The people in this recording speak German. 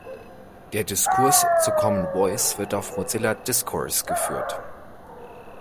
Der Diskurs zu Common Voice wird auf Mozilla Discourse geführt.